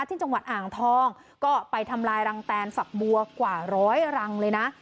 ที่จังหวัดอ่างทองก็ไปทำลายรังแตนฝักบัวกว่าร้อยรังเลยนะ